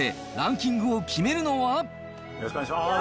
よろしくお願いします。